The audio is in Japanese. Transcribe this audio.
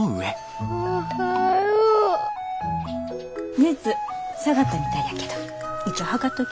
熱下がったみたいやけど一応測っとき。